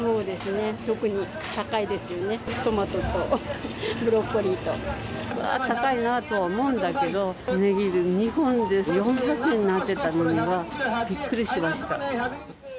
特に高いですね、トマトとブうわー、高いなとは思うんだけど、ネギが２本で４００円になってたのにはびっくりしました。